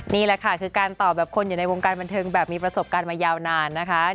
นี่แหละค่ะคือการตอบแบบคนอยู่ในวงการบันเทิงแบบมีประสบการณ์มายาวนานนะคะ